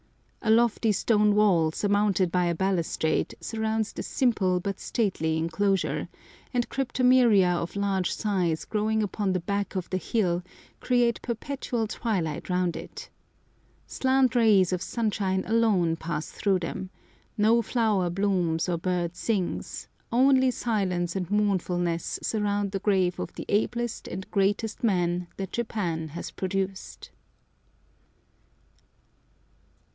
A lofty stone wall, surmounted by a balustrade, surrounds the simple but stately enclosure, and cryptomeria of large size growing up the back of the hill create perpetual twilight round it. Slant rays of sunshine alone pass through them, no flower blooms or bird sings, only silence and mournfulness surround the grave of the ablest and greatest man that Japan has produced.